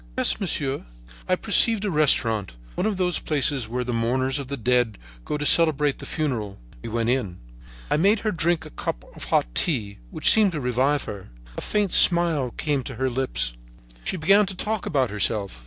"'Yes, monsieur.' "I perceived a restaurant, one of those places where the mourners of the dead go to celebrate the funeral. We went in. I made her drink a cup of hot tea, which seemed to revive her. A faint smile came to her lips. She began to talk about herself.